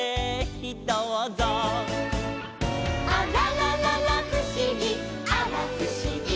「あららららふしぎあらふしぎ」